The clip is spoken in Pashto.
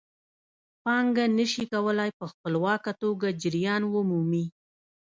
پانګه نشي کولای په خپلواکه توګه جریان ومومي